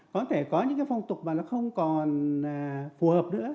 có thể có những cái phong tục mà nó không còn phù hợp nữa